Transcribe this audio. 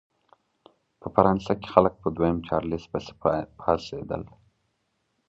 په فرانسه کې خلک په دویم چارلېز پسې پاڅېدل.